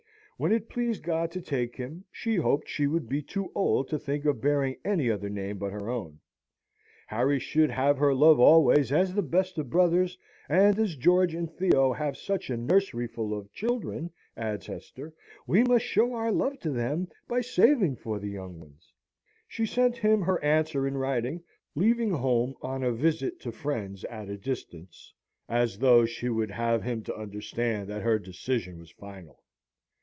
When it pleased God to take him, she hoped she would be too old to think of bearing any other name but her own. Harry should have her love always as the best of brothers; and as George and Theo have such a nurseryful of children," adds Hester, "we must show our love to them, by saving for the young ones." She sent him her answer in writing, leaving home on a visit to friends at a distance, as though she would have him to understand that her decision was final.